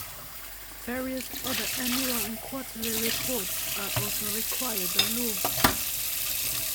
Various other annual and quarterly reports are also required by law.